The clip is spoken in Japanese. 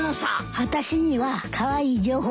あたしにはカワイイ情報屋がいるの。